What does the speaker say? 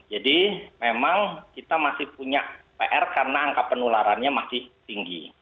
jadi memang kita masih punya pr karena angka penularannya masih tinggi